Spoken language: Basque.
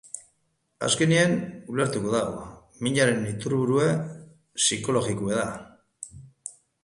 Azkenean, ulertuko du: minaren iturburua psikologikoa da.